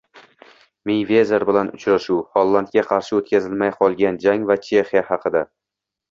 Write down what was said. Meyvezer bilan uchrashuv, Hollandga qarshi o‘tkazilmay qolgan jang va Chexiya haqida